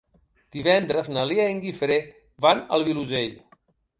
Divendres na Lea i en Guifré van al Vilosell.